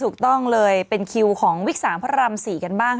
ถูกต้องเลยเป็นคิวของวิกสามพระราม๔กันบ้าง